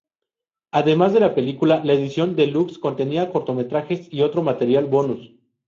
Además de la película, la edición deluxe contenía cortometrajes y otro material bonus.